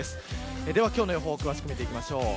今日の予報詳しく見ていきましょう。